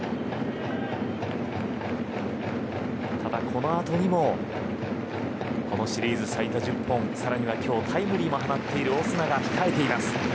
ただ、このあとにもこのシリーズ最多１０本更には今日タイムリーも放っているオスナが控えています。